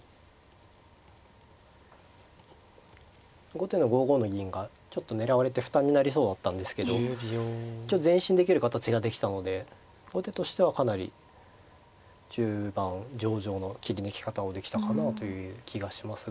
後手の５五の銀がちょっと狙われて負担になりそうだったんですけど前進できる形ができたので後手としてはかなり中盤上々の切り抜け方をできたかなという気がしますが。